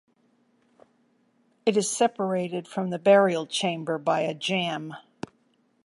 It is separated from the burial chamber by a jamb.